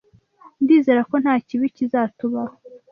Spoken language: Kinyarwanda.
Ndizera ko nta kibi kizatubaho.